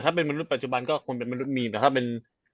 ถ้าเป็นมนุษย์ปัจจุบันก็คงเป็นมนุษย์มีน